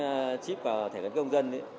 gắn chip vào thẻ gắn công dân